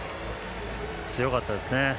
強かったですね。